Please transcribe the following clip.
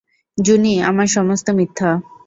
জুনি, আমার সমস্ত মিথ্যা।